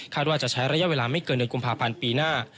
ว่าจะใช้ระยะเวลาไม่เกินเดือนกุมภาพันธ์ปีหน้า